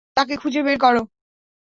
তাকে খুঁজে বের করো।